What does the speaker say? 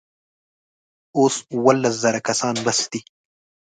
اوس اوولس زره کسان بس دي.